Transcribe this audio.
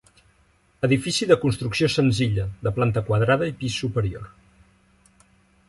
Edifici de construcció senzilla, de planta quadrada i pis superior.